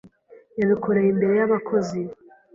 Yabikoreye imbere y'abakozi.